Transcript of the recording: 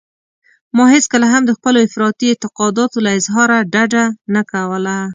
ما هېڅکله هم د خپلو افراطي اعتقاداتو له اظهاره ډډه نه کوله.